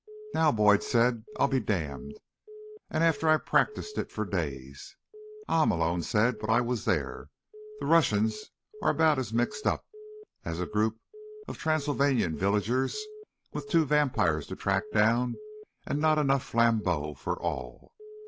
"Now," Boyd said, "I'll be damned. And after I practiced for days." "Ah," Malone said. "But I was there. The Russians are about as mixed up as a group of Transylvanian villagers with two vampires to track down and not enough flambeaux for all.